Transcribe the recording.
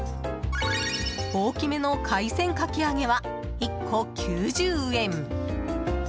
大きめの海鮮かきあげは１個９０円。